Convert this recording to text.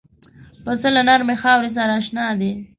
پسه له نرمې خاورې سره اشنا دی.